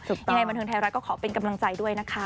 ยังไงบันเทิงไทยรัฐก็ขอเป็นกำลังใจด้วยนะคะ